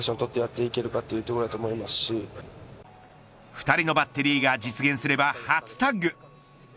２人のバッテリーが実現すれば初タッグ。